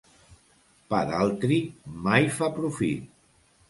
Pa d'altri mai fa profit.